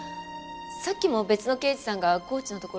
さっきも別の刑事さんがコーチのところに。